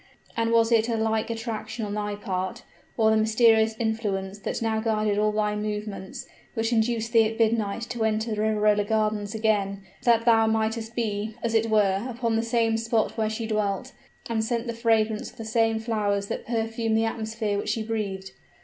And was it a like attraction on thy part, or the mysterious influence that now guided all thy movements, which induced thee at midnight to enter the Riverola gardens again, that thou mightest be, as it were, upon the same spot where she dwelt, and scent the fragrance of the same flowers that perfumed the atmosphere which she breathed?